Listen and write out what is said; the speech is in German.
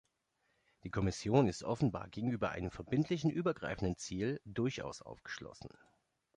Die Kommission ist offenbar gegenüber einem verbindlichen übergreifenden Ziel durchaus aufgeschlossen.